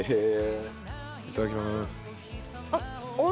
いただきます。